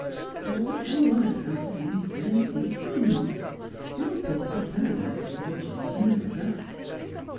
' It's all on account of these villainous east winds. You'll pick up directly there's a change in the weather.